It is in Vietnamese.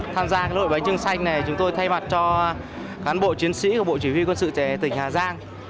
tham gia lội bánh trưng xanh này chúng tôi thay mặt cho cán bộ chiến sĩ của bộ chỉ huy quân sự trẻ tỉnh hà giang